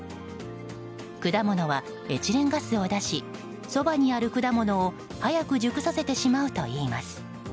果物はエチレンガスを出しそばにある果物を早く熟させてしまうといいます。